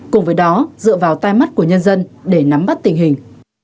cùng với đó dựa vào tai mắt của nhân dân để nắm bắt tình hình